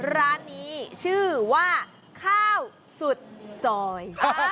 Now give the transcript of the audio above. ร้านนี้ชื่อว่าข้าวสุดซอย